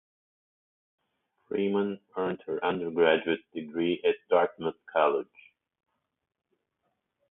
Freeman earned her undergraduate degree at Dartmouth College.